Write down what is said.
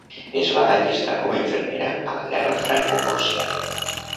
Es va allistar com a infermera a la guerra francoprussiana.